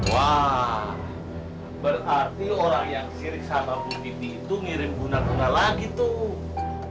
wah berarti orang yang sirik sama bu titi itu ngirim guna guna lagi tuh